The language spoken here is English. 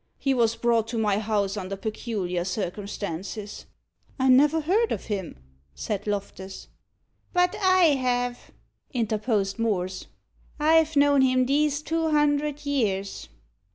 "He was brought to my house under peculiar circumstances." "I never heard of him," said Loftus. "But I have," interposed Morse. "I've known him these two hundred years."